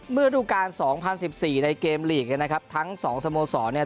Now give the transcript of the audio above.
ฤดูการสองพันสิบสี่ในเกมลีกเนี่ยนะครับทั้งสองสโมสรเนี่ย